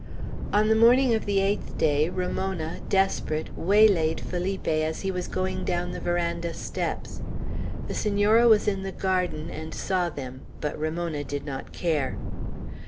On the morning of the eighth day, Ramona, desperate, waylaid Felipe, as he was going down the veranda steps. The Senora was in the garden, and saw them; but Ramona did not care.